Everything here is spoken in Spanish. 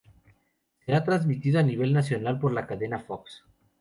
Será transmitido a nivel nacional por la cadena Fox.